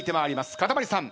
かたまりさん